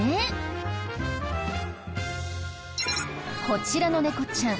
こちらの猫ちゃん